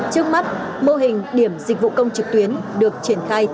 trước mắt mô hình điểm dịch vụ công trực tuyến được triển khai tại hà nội